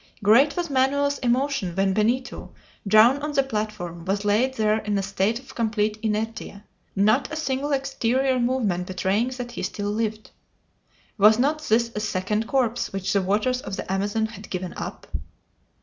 Great was Manoel's emotion when Benito, drawn on to the platform, was laid there in a state of complete inertia, not a single exterior movement betraying that he still lived. Was not this a second corpse which the waters of the Amazon had given up?